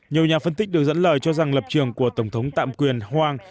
nhiều nhà phân tích được dẫn lời cho rằng lập trường của tổng thống tạm quyền hoang